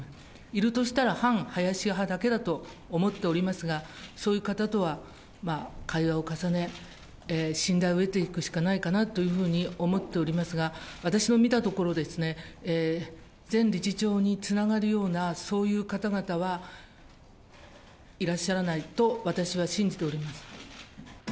いるとしたら、反林派だけだと思っておりますが、そういう方とは会話を重ね、信頼を得ていくしかないかなというふうに思っておりますが、私の見たところですね、前理事長につながるような、そういう方々はいらっしゃらないと私は信じております。